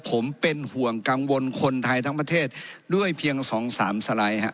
ผมเป็นห่วงกังวลคนไทยทั้งประเทศด้วยเพียง๒๓สไลด์ฮะ